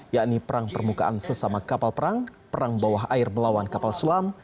yakni perang permukaan sesama kapal perang perang bawah air melawan kapal selam